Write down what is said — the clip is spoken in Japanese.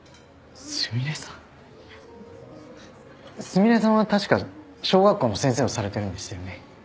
すみれさんは確か小学校の先生をされているんでしたよね？